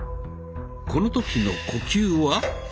この時の呼吸は？